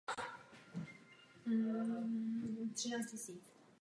Specializuje se na lov mravenců.